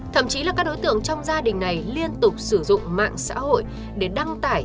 thậm chí là các đối tượng trong gia đình này liên tục sử dụng mạng xã hội để đăng tải